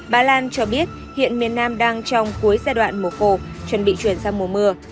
bà lan cho biết hiện miền nam đang trong cuối giai đoạn mùa khô chuẩn bị chuyển sang mùa mưa